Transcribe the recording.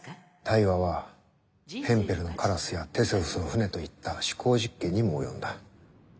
対話は「ヘンペルのカラス」や「テセウスの船」といった思考実験にも及んだ。